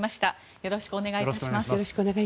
よろしくお願いします。